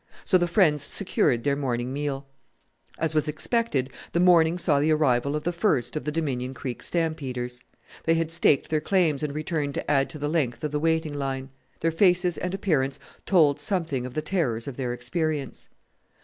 So the friends secured their morning meal. As was expected, the morning saw the arrival of the first of the Dominion Creek stampeders; they had staked their claims and returned to add to the length of the waiting line. Their faces and appearance told something of the terrors of their experience.